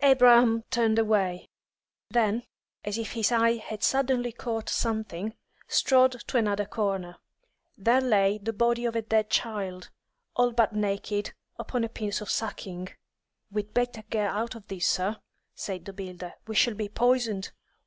Abraham turned away; then, as if his eye had suddenly caught something, strode to another corner. There lay the body of a dead child, all but naked, upon a piece of sacking. "We'd better get out of this, sir," said the builder. "We shall be poisoned.